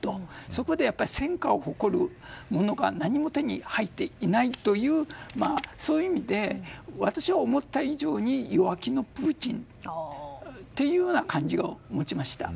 そこで戦果を誇るものが何も手に入っていないというそういう意味で私は思った以上に弱気のプーチンという感じを持ちました。